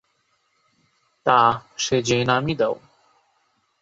তা, সে যে নামই দাও।